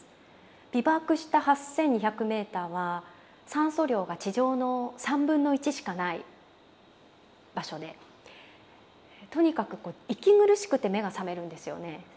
ビバークした８２００ｍは酸素量が地上の３分の１しかない場所でとにかく息苦しくて目が覚めるんですよね。